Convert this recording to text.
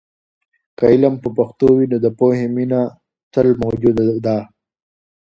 که علم په پښتو وي، نو د پوهې مینه تل موجوده ده.